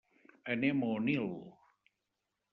Anem a Onil.